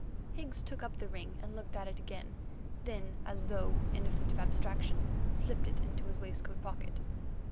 Higgs took up the ring and looked at it again; then, as though in a fit of abstraction, slipped it into his waistcoat pocket.